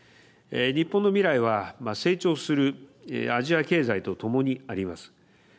日本の未来は成長するアジア経済とともにあります。